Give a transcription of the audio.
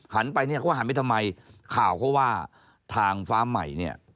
ไปเนี่ยเขาหันไปทำไมข่าวเขาว่าทางฟ้าใหม่เนี่ย